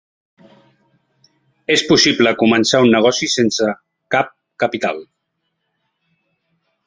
És possible començar un negoci sense cap capital.